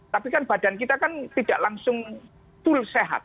tapi kan badan kita kan tidak langsung full sehat